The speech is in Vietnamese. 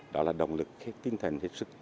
đó là động lực tinh thần